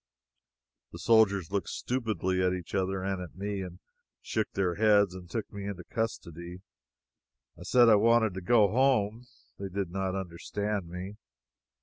The soldiers looked stupidly at each other and at me, and shook their heads and took me into custody. I said I wanted to go home. They did not understand me.